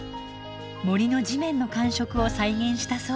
森の地面の感触を再現したそうです。